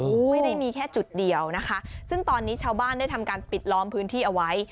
ไม่ได้มีแค่จุดเดียวนะคะซึ่งตอนนี้ชาวบ้านได้ทำการปิดล้อมพื้นที่เอาไว้